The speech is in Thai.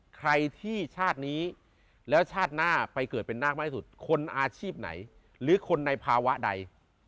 ใครที่ชาตินี้แล้วชาติหน้าไปเกิดเป็นนาคมากที่สุดคนอาชีพไหนหรือคนในภาวะใด